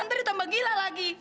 ntar ditambah gila lagi